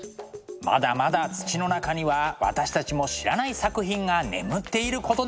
まだまだ土の中には私たちも知らない作品が眠っていることでしょう。